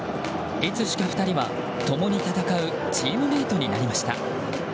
いつしか２人は共に戦うチームメートになりました。